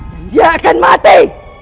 dan dia akan mati